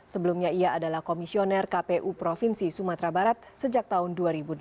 sebelumnya ia adalah komisioner kpu provinsi sumatera barat sejak tahun dua ribu delapan